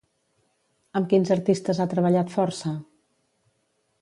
Amb quins artistes ha treballat força?